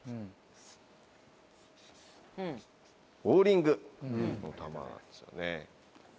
ボウリングの球なんですよね。